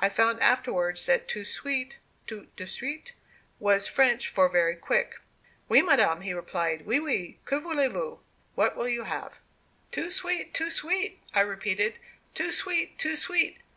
I found afterwards that too sweet (toute de suite) was French for 'very quick.'" "'Oui, madame,' he replied, 'oui, oui, que voulez vous?' (what will you have?)" "'Too sweet, too sweet,' I repeated, 'too sweet, too sweet.